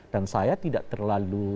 dan saya tidak terlalu